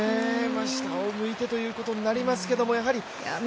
下を向いてということになりますけれど。